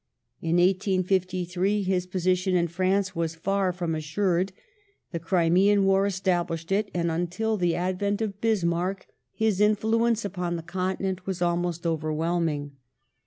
In 1853 his position in Europe was far from assured ; the Crimean War established it, and until the advent of Bismarck his influence upon the Continent was almost overwhelming.